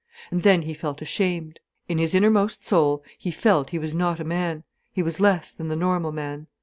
And then he felt ashamed. In his innermost soul he felt he was not a man, he was less than the normal man.